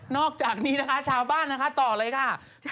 อกจากนี้นะคะชาวบ้านนะคะต่อเลยค่ะ